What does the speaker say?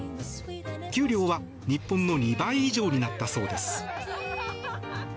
給料は日本の２倍以上になったそうです。